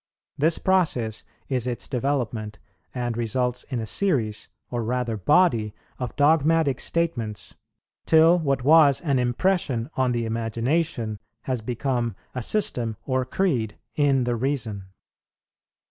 This process is its development, and results in a series, or rather body, of dogmatic statements, till what was an impression on the Imagination has become a system or creed in the Reason.